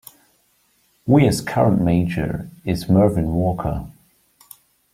Weirs current mayor is Mervin Walker.